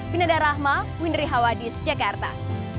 vinada rahma windri hawadis jakarta